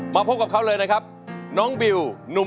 สวัสดีครับน้องบิว